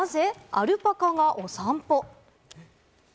アルパカがお散歩。